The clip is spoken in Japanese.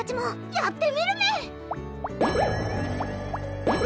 やってみるメン！